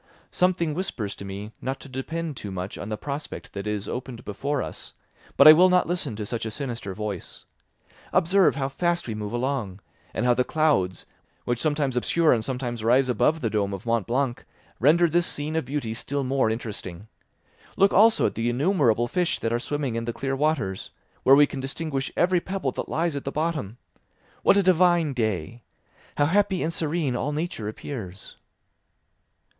Something whispers to me not to depend too much on the prospect that is opened before us, but I will not listen to such a sinister voice. Observe how fast we move along and how the clouds, which sometimes obscure and sometimes rise above the dome of Mont Blanc, render this scene of beauty still more interesting. Look also at the innumerable fish that are swimming in the clear waters, where we can distinguish every pebble that lies at the bottom. What a divine day! How happy and serene all nature appears!"